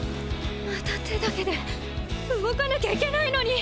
また手だけで動かなきゃいけないのに！